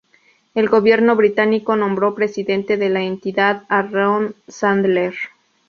El gobierno británico nombró presidente de la entidad a Ron Sandler.